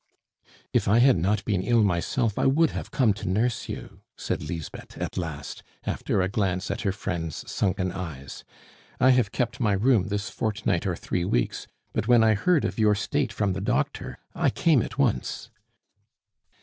"If I had not been ill myself, I would have come to nurse you," said Lisbeth at last, after a glance at her friend's sunken eyes. "I have kept my room this fortnight or three weeks; but when I heard of your state from the doctor, I came at once."